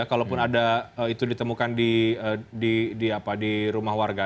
kalaupun ada itu ditemukan di rumah warga